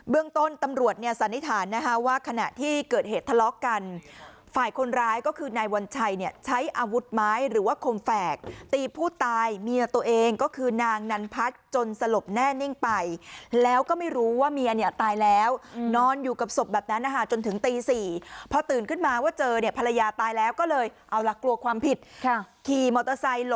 ต้นตำรวจเนี่ยสันนิษฐานนะคะว่าขณะที่เกิดเหตุทะเลาะกันฝ่ายคนร้ายก็คือนายวัญชัยเนี่ยใช้อาวุธไม้หรือว่าคมแฝกตีผู้ตายเมียตัวเองก็คือนางนันพัฒน์จนสลบแน่นิ่งไปแล้วก็ไม่รู้ว่าเมียเนี่ยตายแล้วนอนอยู่กับศพแบบนั้นนะคะจนถึงตี๔พอตื่นขึ้นมาว่าเจอเนี่ยภรรยาตายแล้วก็เลยเอาล่ะกลัวความผิดขี่มอเตอร์ไซค